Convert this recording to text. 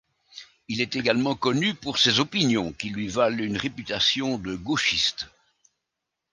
Il est également connu pour ses opinions qui lui valent une réputation de gauchiste.